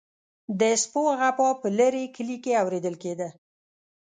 د سپو غپا په لرې کلي کې اوریدل کیده.